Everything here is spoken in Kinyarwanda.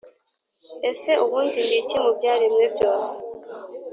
ese ubundi, ndi iki mu byaremwe byose?»